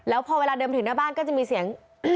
แล้วพอเวลาเดินไปถึงหน้าบ้านก็จะมีเสียง